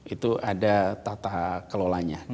itu ada tata kelolanya